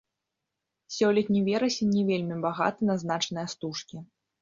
Сёлетні верасень не вельмі багаты на значныя стужкі.